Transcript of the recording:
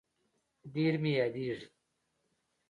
ډير مي ياديږي